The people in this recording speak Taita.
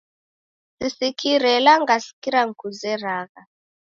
Sisikire ela ngasikira nikuzeragha.